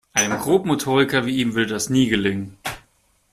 Einem Grobmotoriker wie ihm würde das nie gelingen.